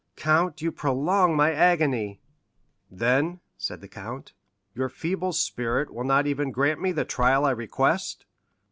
"Count, you prolong my agony." "Then," said the count, "your feeble spirit will not even grant me the trial I request?